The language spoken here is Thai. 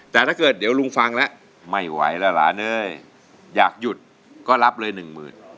แต่ถ้าเกิดเดี๋ยวลุงฟังแล้วไม่ไหวแล้วหลานเอ้ยอยากหยุดก็รับเลยหนึ่งหมื่น